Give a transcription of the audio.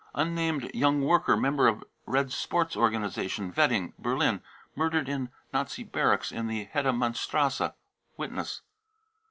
unnamed young worker, member of Red Spoi organisation, Wedding, Berlin, murdered in Nazi barrac in the Hedemannstrasse. (Witness.)